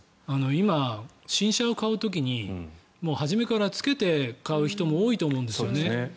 今、新車を買う時に初めからつけて買う人も多いと思うんですよね。